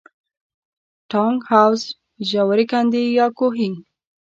ټانک، حوض، ژورې کندې یا کوهي.